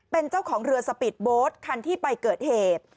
เป็นเจ้าของเรือสปีดโบ๊ทคันที่ไปเกิดเหตุ